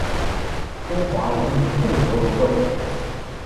中华人民共和国官员。